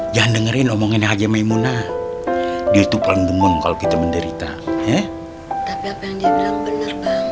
jangan dengerin omongin aja maimunah diutup pandemon kalau kita menderita ya